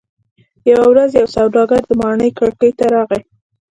یوه ورځ یو سوداګر د ماڼۍ کړکۍ ته راغی.